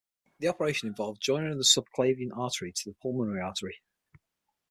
The operation involved the joining of the subclavian artery to the pulmonary artery.